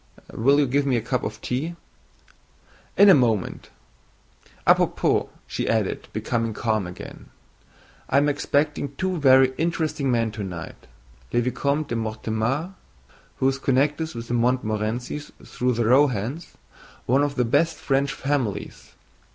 Will you give me a cup of tea?" "In a moment. À propos," she added, becoming calm again, "I am expecting two very interesting men tonight, le Vicomte de Mortemart, who is connected with the Montmorencys through the Rohans, one of the best French families.